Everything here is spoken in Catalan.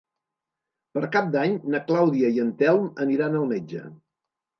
Per Cap d'Any na Clàudia i en Telm aniran al metge.